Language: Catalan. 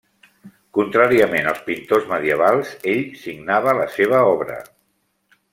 Contràriament als pintors medievals, ell signava la seva obra.